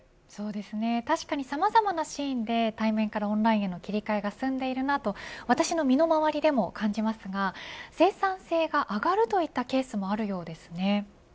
さまざまなシーンで対面からオンラインの切り替えが進んでるなと私の身の周りでも感じますが生産性が上がるといったケースもあるようですね。